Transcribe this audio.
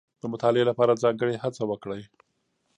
د مطالعې لپاره ځانګړې هڅه وکړئ.